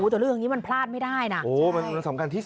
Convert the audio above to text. แต่เรื่องงี้มันพลาดไม่ได้นะ